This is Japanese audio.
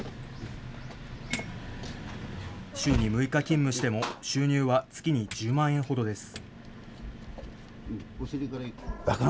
週に６日勤務しても収入は月に１０万円ほどです。